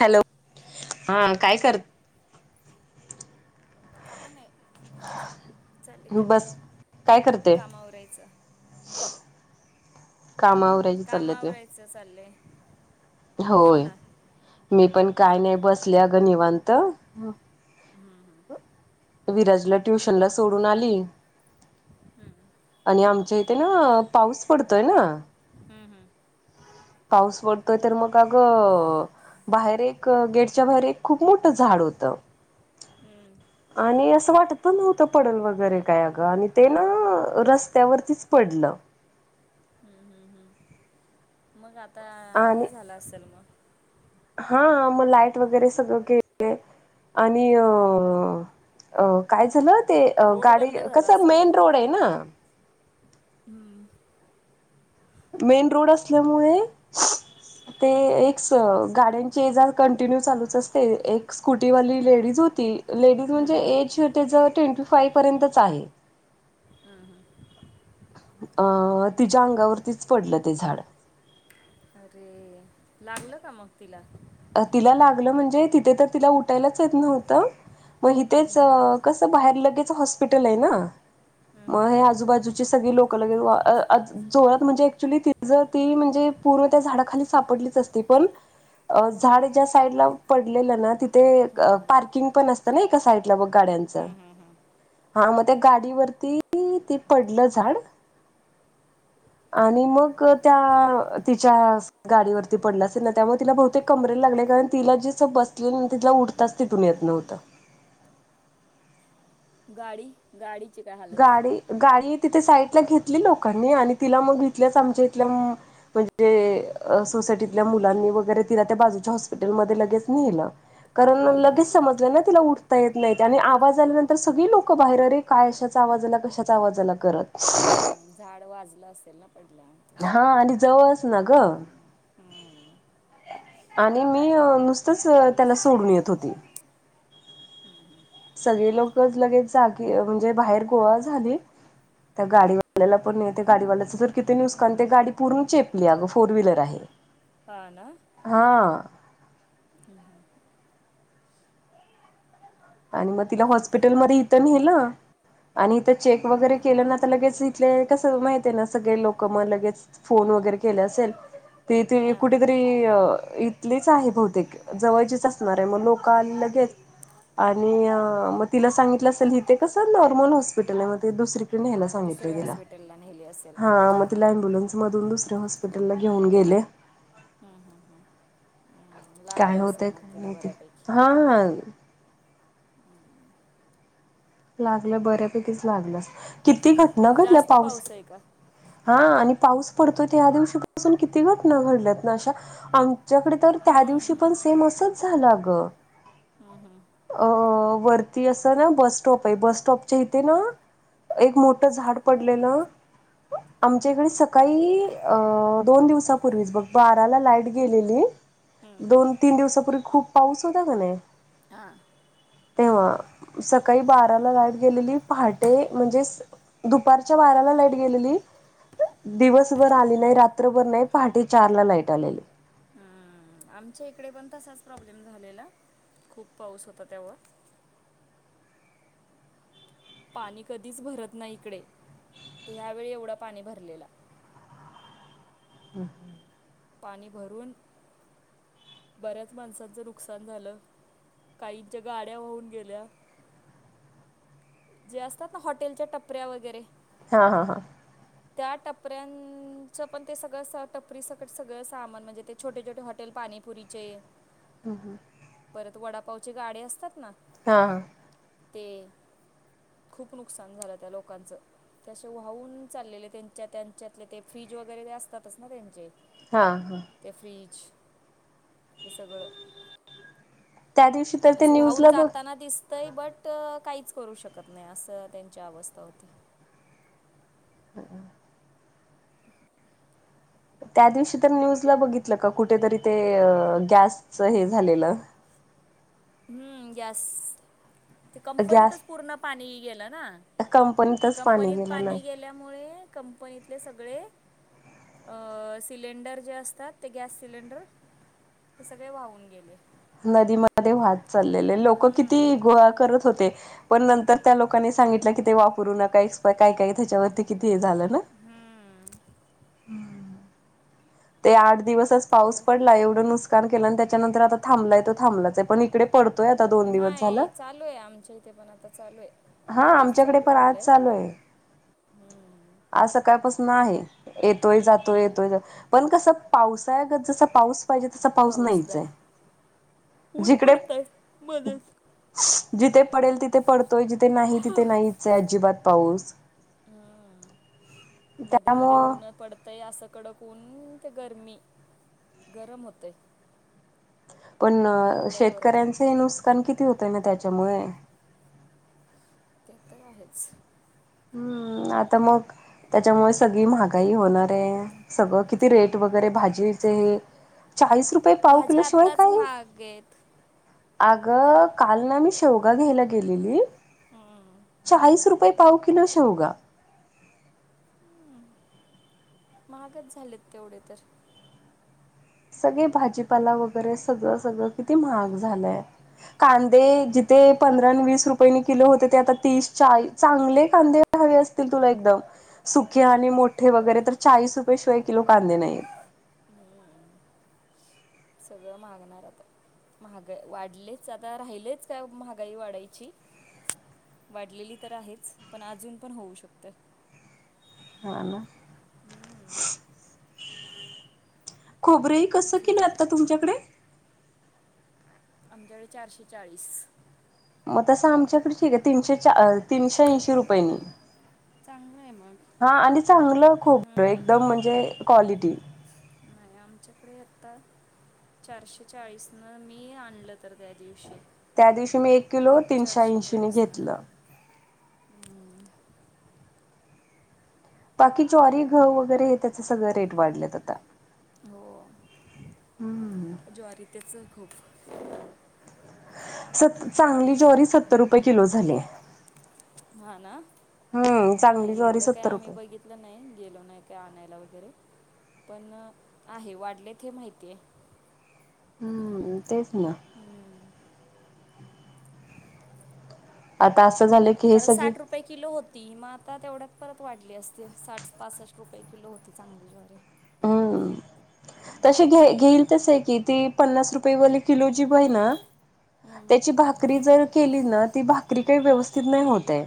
Hello हा काय करत काय नाही चालेल का बस कामावरयचं कामावर कामं आवरायचं चाललेय. होय मी पण काय नाही बसले अगं निवांत. हम्म हम्म. विराजला ट्युशनला सोडून आली आणि आमच्या इथे ना पाऊस पडतोय ना. हम्म हम्म. पाऊस पडतोय तर मग अगं बाहेर एक गेटच्या बाहेर एक खूप मोठं झाड होतं हम्म. आणि असं वाटत पण नव्हतं पडल वगैरे काय अगं आणि ते ना रस्त्यावरतीच पडलं. हम्म हम्म हम्म मग आता हे आणि झालं असेल म. हा मग लाईट वगैरे सगळं आणि अ अ काय झालं ते रोड गाडी बंद झाला कसं असेल मेन रोड आहे ना हम्म. मेन रोड असल्यामुळे ते एक स गाड्यांचे एजार कंटिन्यू चालूच असते एक स्कूटीवाली लेडीज होती लेडीज हम्म, म्हणजे हम्म, एज त्याचा ट्वेंटी फाय पर्यंतच आहे हम्म हम्म. अ तिच्या अंगावरतीच पडलं ते झाड. अरे लागलं का मग तिला? तिला लागलं म्हणजे तिथे तर तिला उठायलाच येत नव्हतं मग हम्म, इथेच हम्म, हम्म. कसं बाहेर लगेचं हॉस्पिटल आहे ना म हे आजूबाजूची सगळी लोकं लगेल अ अज जोरात म्हणजे ऍक्च्युली तिजं ती म्हणजे पूर्व त्या झाडाखाली सापडलीच असती पण अ झाड ज्या साईडला पडलेलं ना तिथे अ पार्किंग पण असतं ना एका साईडला बघ गाड्यांचं हम्म हम्म. हा मग त्या गाडीवरती ते पडलं झाड आणि मग त्या तिच्या गाडीवरती पडला असेल ना त्यामुळे तिला बहुतेक कमरेला लागले कारण तिला जिस बसले तिला उडताच तिथून येत नव्हतं. गाडी गाडी गाडी गाडी तिथे साईडला घेतली लोकांनी आणि तिला मग इथल्याच आमच्या इथल्या म म्हणजे सोसायटीतल्या मुलांनी वगैरे तिला त्या बाजूच्या हॉस्पिटलमध्ये लगेच न्हेलं. कारण हम्म, हम्म. लगेच समजलं ना तिला उठता येत नाहीत आणि आवाज आल्यानंतर सगळी लोकं बाहेर अरे काय अशा चा आवाज कशाचा आवाज आला करत. हम्म, झाड वाजलं असेल ना पडल्या. हा आणि जवळच ना गं. हम्म. आणि मी नुसतंच त्याला सोडून येत होती सगळे लोकच लगेच जागी म्हणजे बाहेर गोळा झालीत. त्या गाडीवाल्याला पण त्या गाडीवाल्याच जर किती नुसकान ते गाडी पूर्ण चेपली अगं फोर व्हीलर आहे. [inaudible] हा ना. हा. हम्म हम्म. आणि मग तिला हॉस्पिटलमध्येध्ये इथं न्हेलं आणि इथं चेक वगैरे केलं ना आता लगेच इथले कसं माहित आहे ना सगळे लोकं मग लगेच फोन वगैरे केले असेल ते ती हा कुठेतरी अ इ थलीच आहे बहूतेक जवळचीच असणार आहे मग लोकं लगेच आणि अ म तिला सांगितलं असेल इथे कसं नॉर्मल हॉस्पिटल आहे मग ते दुसरी न्यायला हा सांगितलं दुसऱ्या तिला, हॉस्पिटलला नेली असेल मग हा मगं तिला ऍम्ब्युलन्स मधून दुसऱ्या हॉस्पिटलला घेऊन गेले. हम् हम् हम काय होतय काय माहिती, बऱ्यापैकी हा. लागलं बऱ्यापैकीच लागल अस किती घटना घडल्या जास्त पाऊस आहे का हा आणि पाऊस पडतोय त्या दिवशी पासून किती घटना घडल्यात ना अशा. आमच्याकडे तर त्या दिवशी हम्म, पण सेम असंच झालं आगं. हमं हम. अ वरती असं ना बस बस स्टॉपच्या इथे ना एक मोठ झाड पडलेलं. आमच्या इकडे सकाळी अ दोन दिवसापूर्वीच बघ बाराला लाईट गेलेली. हम्म. दोन तीन दिवसापूर्वी खूप पाऊस होता क नाय? हा तेव्हा, सकाळी बाराला लाईट गेलेली पहाटे म्हणजेच दुपारच्या बाराला लाईट गेलेली. दिवसभर आली नाही रात्रभर नाही पहाटे चार ला लाईट आलेली. हम्म, आमच्या इकडे पण तसाच प्रॉब्लेम झालेला खूप पाऊस होता तेव्हा. पाणी कधीच भरत नाही इकडे ते ह्यावेेळी एवढा पाणी भरलेला. हम् पाणी भरून बऱ्याच माणसांचं नुकसान झालं. काहींच्या गाड्या वाहून गेल्या. जे असतात ना हॉटेलच्या टपऱ्या वगैरे. हा हा हा त्या टपऱ्यांचं पण ते सगळं टपरी स सगळं सामान म्हणजे ते छोटे छोटे हॉटेल पाणीपुरीचे हा हा परत वडापावचे गाडे असतात ना हा हा ते खूप नुकसान झालं त्या लोकांचं ते अशे वाहून चाललेले त्यांच्या त्यांच्यातले ते फ्रीज वगैरे असतातच ना त्यांचे. हां हां ते फ्रीज ते सगळं. त्या दिवशी तर ते असं वाहून न्यूजला बघ जाताना दिस तय बट काहीच करू शकत नाही असं त्यांची अवस्था होती. ह त्या दिवशी तर न्यूजला बघितलं का कुठेतरी ते गॅसच हे झालेलं. हम्म गॅस ते गॅस कंपनीतच पूर्ण पाणी गेलं ना कंपनीतच कंपनीत गेलं नाही. पाणी गे गेल्यामुळे कंपनीतले सगळे अ सिलेंडर जे असतात ते गॅस सिलेंडर ते सगळे वाहून गेले नदीमध्ये वाहत चाललेले लोक किती हम्म, गोळा करत होते पण नंतर त्या लोकांनी सांगितलं कि ते वापरू नका एक्सप काय काय त्याच्यावरती किती हे झालं ना हम्म ते आठ दिवसच ते पाऊस काय पडला एवढं नुसकान केलं आणि त्याच्यानंतर आता थांबलाय तो थांबलाच आहे पण इकडे पडतोय आता दोन दिवस झालं. नाय चालू हाय आमच्या इथे पण आता चालू हाय हा पाऊस आमच्याकडे पण चालू आज झालय चालू आहे हम्म आज सकाळपासून आहे येतोय जातोय येतोय जोतोय पण कस पावसाळया गत जसा पाऊस पाहिजे, तसा पाऊस नाहीच हाय ऊन जिकडे पडतंय मध्येच जिथे पडेल तिथे पडतोय जिथे नाही तिथे नाहीच अजिबात पाऊस हम्म. त्यामुळ काय असं कडक ऊन की गरमी गरम होतय पण जोरात ऊन शेतकऱ्यांच पडतं नुसकान किती होतय ना त्याच्यामुळे ते तर आहेच हम्म आता मग त्याच्यामुळे सगळी महागाई होणार आहे सगळं किती रेट वगैरे भाजीचे चाळीस रुपये पाव किलो भाज्या शिवाय आत्ताच काय हाय महाग आहेत अग काल ना मी शेवगा घ्यायला गेलेली हम्म चाळीस रुपये पाव किलो शेवगा हम्म महागच झालेत तेवढे तर सगळे भाजीपाला वगैरे सगळं सगळं किती महाग झालंय कांदे जिथे पंधरा आणि वीस रुपयाने किलो होते ते आता तीस चाळी चांगले कांदे हवे असतील तुला एकदम सुके आणि मोठे वगैरे तर चाळीस रुपयेशिवाय किलो कांदे नाहीेत हम्म. सगळं महागणार आता महाग वाढलीच आता राहिलीच काय महागाई वाढायची वाढलेली तर आहेच पण अजून पण होऊ शकतं ह ना हम्म. खोबरेल कसं ठीक. किलो आत्ता तुमच्याकडे आमच्याकडे चारशे चाळीस मग तसं आमच्याकडे ठीक आहे तीनशे चा तीनशे ऐंशी रुपयेनी चांगलं आहे मग हा आणि चांगलं खोबर हम्म. एकदम म्हणजे क्वालिटी नाही आमच्याकडे यता चारशे चाळीस न मी आणलं तर त्या दिवशी त्या दिवशी मी एक किलो तीनशे चारशे ऐंशीनी चाळीसनं घेतलं हम्म बाकी ज्वारी गहू वगैरे हे त्याच सगळं रेट वाढलेत आता हो ज्वारी त्याच खूप सत चांगली ज्वारी सत्तर रुपये किलो झालीय ह ना हम्म चांगली नाही ज्वारी एवढं काय सत्तर आम्ही रुपये बघित लं नाही गेलो नाही काय आणायला वगैरे पण आहे वाढलेत हे माहिती आहे. हम तेच ना हम्म. आता असं झालं की हे सगळे पये किलो होती मग आता तेवढ्यात परत वाढली असते साठ पासष्ट रुपये किलो होती चांगली ज्वारी हम हम्म. तसे घ घेईल तस आहे की ती पन्नास रुपये वले किलो जिब आहे ना हम्म, त्याची भाकरी जर केली ना ती भाकरी काही व्यवस्थित नाही होतय.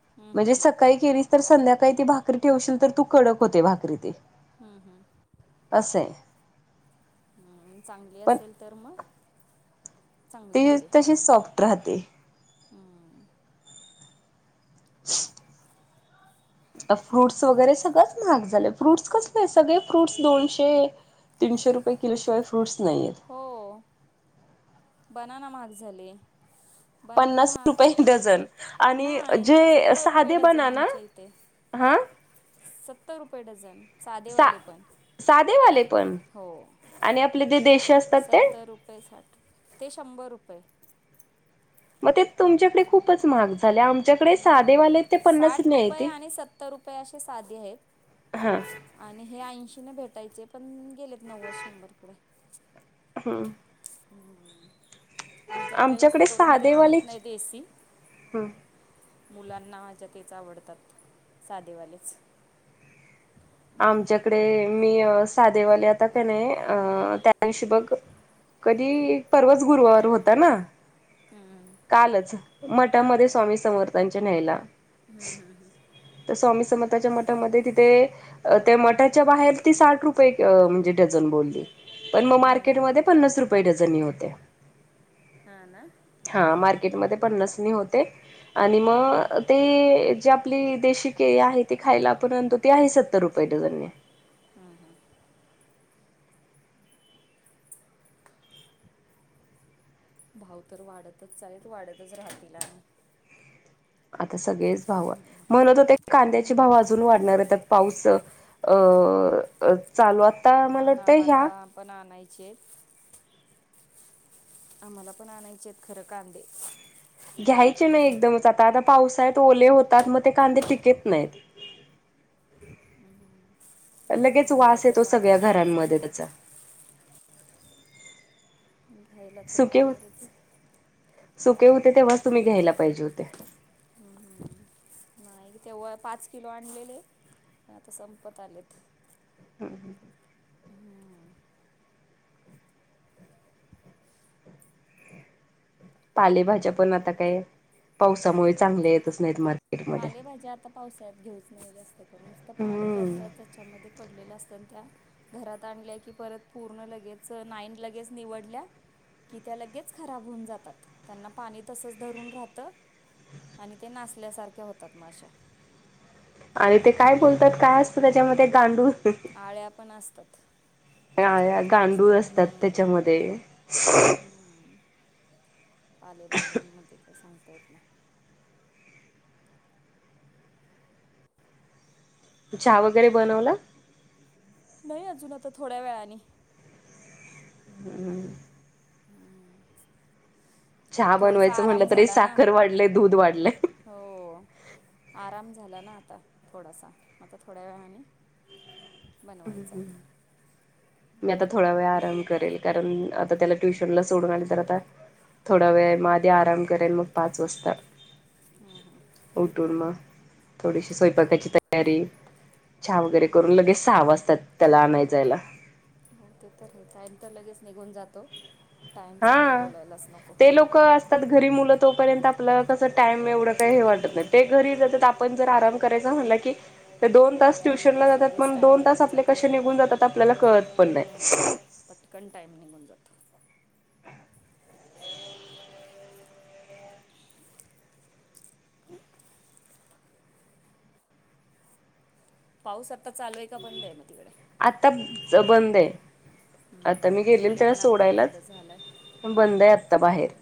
हम्म, हम्म, म्हणजे हम्म. सकाळी केली तर संध्याकाळी ती भाकरी ठेवशील तर तू कडक होते भाकरी ते हम्म हम्म असये. चांगली पण असेल तर मग चांगली ते होते तसेच सॉफ्ट राहते. हम्म [unintelligible] फ्रूट्स वगैरे सगळंच महाग झालं फ्रूट्स कसले आहे सगळे फ्रूट्स दोनशे तीनशे रपये किलशिवाय फ्रुट्स नाहीयेत. हो बनाना महाग झाले. बनाना पन्नास रुपये महाग डझन आणि नाही जे सत्तर रुपये साधे डझन बनाना आमच्या इथे हा सत्तर रुपये डझन सा साधेवाले पण साधेवाले पण हो आणि आपले जे देशी असतात ते रये साठ ते शंभर रुपये मग ते तुमच्याकडे खूपच महाग झाले आम हम्म हम् साठ रुपये आणि सत्तर रुपये असे साधे आहेत. हा आणि हे ऐंशी न भेटायचे पण गेलेत नव्वद शंभरकडे हम् हम्म आमच्यात काही जास्त आमच्याकडे करून ते साधेवाले आणत नाही देसी हम्म मुलांना माझ्या तेच आवडतात साधेवालेच आमच्याकडे मी साधेवाले आता का नाही अ त्या दिशी बघ कधी परर्वाच गुरुवार होता ना हम्म. कालच मठामध्ये स्वामी समर्थानच्या न्यायला. हम् हं ह तर स्वामी समथाच्या मठामध्ये तिथे त्या मठाच्या बाहेर ती साठ रुपये म्हणजे डझन बोलली. पण मग मार्केटमध्ये पन्नास रुपये डझन होते. हा ना हा मार्केटमध्ये पन्नासनी होते. आणि मग ते जी आपली देशी केळी आहे ती खायला आपण आणतो. ते आहे सत्तर रुपये डझनने भाव तर वाढतच चालेल वाढतच राहतील आता सगळेच भाव म्हणत होते की कांद्याचे हम्म भाव अजून वाढणार आहेत तर पाऊस चालवत हा ना मला पण आणायचे आम्हाला पण आणायचे आहेत खरं कांदे घ्यायचे आता नाही काय एकदमच आता आता पावसाळ्यात ओले होतात मग ते कांदे टिकेत नाहीत. हम्म हम्म लगेच वास येतो सगळ्या घरांमध्ये त्याचा घ्यायला तर सुके लागणारच. सुके होते तेव्हाच तुम्ही घ्यायला पाहिजे होते. हम हम हम नाही तेव्हा पाच किलो आणलेले आता संपत आलेत हम ह हम्म पालेभाज्या पण आता काय पावसामुळे चांगल्या येतच नाहीत म पालेभज्या आता पावसाळ्यात घेऊच नाही जास्त करून नुसतं पाणी त्या हम्म आता त्याच्यामध्ये पडलेलं असतं आणि त्या घरात आणल्या की परत पूर्ण लगेच नाईन लगेच निवडल्या की त्या लगेच खराब होऊन जातात त्यांना पाणी तसंच धरून राहतं आणि ते नासल्यासारख्या होतात अशा आणि ते काय बोलतात काय असतं त्याच्यामध्ये गांडू आळ्या पण असतात त्याच्यावरती जास्त गांडूळ असतात हम्म त्याच्यामध्ये हम्म पालेभाज्यांमध्ये काही सांगता येत नाही चहा वगैरे बनवला नाही अजून आता थोड्या वेळाने हम्म हम्म आता चहा थोडासा बनवायचं म्हटलं आराम तरी झाला ना साखर वाढले दूध वाढले हो आराम झाला ना आता थोडासा आता थोड्या वेळाने हम् बनवायचा हम् मी हम्म. आता थोडा वेळ आराम करेल कारण आता त्याला ट्युशनला सोडून आली तर आता थोडा वेळ मग आधी आराम करेल मग पाच वाजता हम्म, हम्म, उठून मग थोडीशी स्वयंपाकाची तयारी चहा वगैरे हम्म. करून लगेच सहाव वाजतात त्याला आणायचायला हो ते तर हे टाइम तर लगेच निघून जातो हा टाईमचं काय बोलायलाच नको ते लोक असतात घरी मुलं तोपर्यंत आपलं कस टाइम एवड काय वाटत नाही ते हम्म. घरी येत्यात आपण जर अराम करायचं म्हंटल की दोन तास ट्युशन लगेच लगेच जातातण टाईम दोन तास निघून आपले जातात कसे निघून जातात आपल्याला कळत पण नाही पटकण टाइम निघून जातो पाऊस आता चालूय का बंद आहे मग तिकडे आता बंद आहे हम्म, आता मी हम्म. गेलेल इकडे त्याला पण आत्ता बंद सोडायलाच झालाय बंद आहे आत्ता बाहेर